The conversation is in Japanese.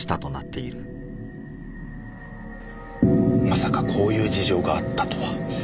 まさかこういう事情があったとは。